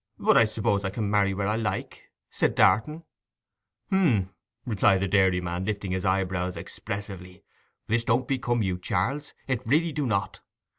'But I suppose I can marry where I like,' said Darton. 'H'm,' replied the dairyman, lifting his eyebrows expressively. 'This don't become you, Charles—it really do not.